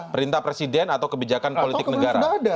kebijakan atau kebijakan politik negara